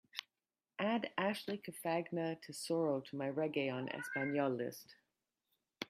Add Ashley Cafagna Tesoro to my reggae en español list